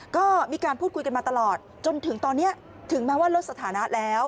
ก็มีการพูดคุยกันมาตลอดจนถึงตอนนี้ถึงแม้ว่าลดสถานะแล้ว